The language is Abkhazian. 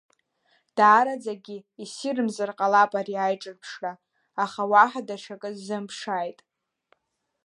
Даараӡагьы иссирымзар ҟалап ари аиҿырԥшра, аха уаҳа даҽакы сзымԥшааит.